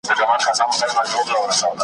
چي پر زړه یې د مرګ ستني څرخېدلې .